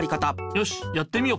よしやってみよ。